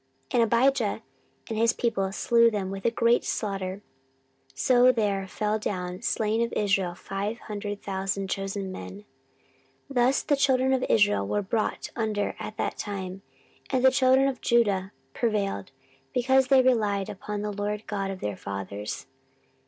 14:013:017 And Abijah and his people slew them with a great slaughter: so there fell down slain of Israel five hundred thousand chosen men. 14:013:018 Thus the children of Israel were brought under at that time, and the children of Judah prevailed, because they relied upon the LORD God of their fathers.